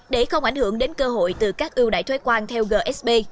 để không ảnh hưởng đến cơ hội từ các ưu đãi thuế quan theo gsp